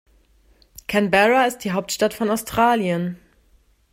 Canberra ist die Hauptstadt von Australien.